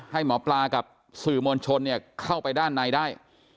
ให้หมอปลากับสื่อมวลชนเข้าไปด้านในได้